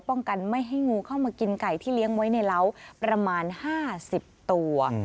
กันไม่ให้งูเข้ามากินไก่ที่เลี้ยงไว้ในเล้าประมาณ๕๐ตัว